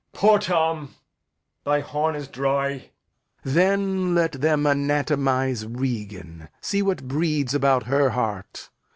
Poor Tom, thy horn is dry. Lear. Then let them anatomize Regan. See what breeds about her heart.